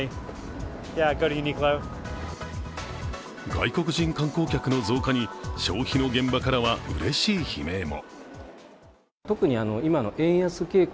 外国人観光客の増加に消費の現場からはうれしい悲鳴も。